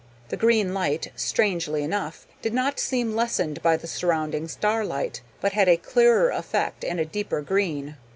The green light, strangely enough, did not seem lessened by the surrounding starlight, but had a clearer effect and a deeper green.